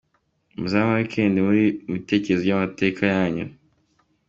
Muzamara weekend muri mu bitekerezo by’amateka yanyu.